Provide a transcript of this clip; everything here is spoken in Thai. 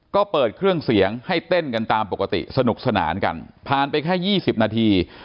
ก็เปิดเครื่องเสียงให้เต้นกันตามปกติสนุกสนานกันผ่านไปแค่๒๐นาที